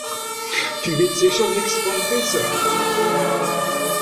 Dü wìtt sìcher nìx vùm wìsse ?